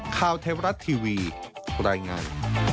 ข้าวเทวรัตน์ทีวีบรรยายงาน